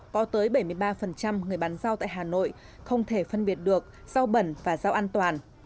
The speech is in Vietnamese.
có tới bảy mươi ba người bán rau tại hà nội không thể phân biệt được rau bẩn và rau an toàn